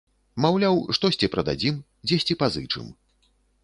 Маўляў, штосьці прададзім, дзесьці пазычым.